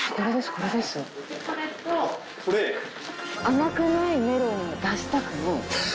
「『甘くないメロンは出したくない』」。